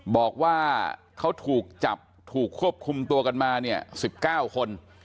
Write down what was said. บอกว่าเขาถูกจับถูกควบคุมตัวกันมาเนี่ย๑๙คน